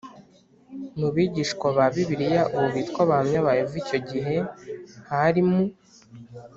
mu Bigishwa ba Bibiliya ubu bitwa Abahamya ba Yehova Icyo gihe hari mu